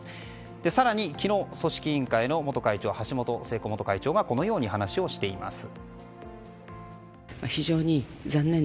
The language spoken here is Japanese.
更に昨日、組織委員会の橋本聖子元会長はこのように話をしています。